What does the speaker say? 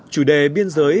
chủ đề biên giới